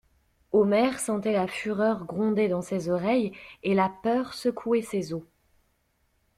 Omer sentait la fureur gronder dans ses oreilles, et la peur secouer ses os.